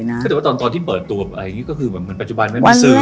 ตอนที่เปิดตัวนี้ก็คือว่าปัจจุบันได้ไหม